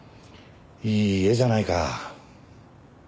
いい家じゃないか。